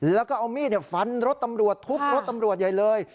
แล้วก็เอามีดฟันรถตำรวจทุบรถตำรวจใหญ่เลย